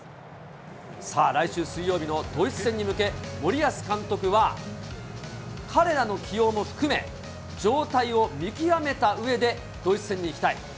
さあ、来週水曜日のドイツ戦に向け、森保監督は、彼らの起用も含め、状態を見極めたうえでドイツ戦に行きたい。